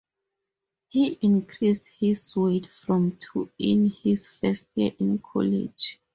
He increased his weight from to in his first year in college.